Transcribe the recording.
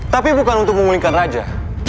tapi bukan untuk memulihkan raja